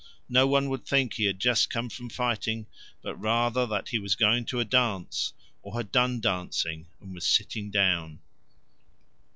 No one would think he had just come from fighting, but rather that he was going to a dance, or had done dancing and was sitting down."